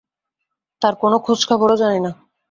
তার কোনো খোঁজখবরও জানি না।